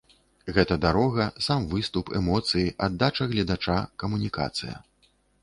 Гэта дарога, сам выступ, эмоцыі, аддача гледача, камунікацыя.